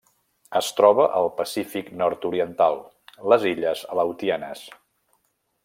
Es troba al Pacífic nord-oriental: les Illes Aleutianes.